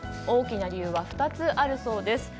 大きな理由は２つあるそうです。